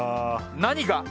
何が？